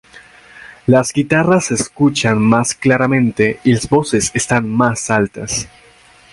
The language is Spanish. Las guitarras se escuchan más claramente y las voces están más altas.